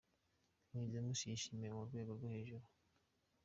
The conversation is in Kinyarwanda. King James yishimiwe mu rwego rwo hejuru.